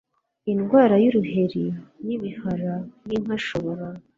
indwara y uruheri n ibihara by inka ashobora